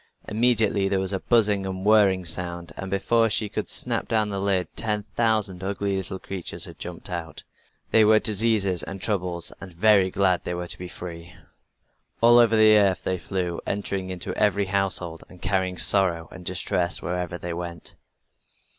Immediately there was a buzzing, whirring sound, and before she could snap down the lid ten thousand ugly little creatures had jumped out. They were diseases and troubles, and very glad they were to be free. All over the earth they flew, entering into every household, and carrying sorrow and distress wherever they went.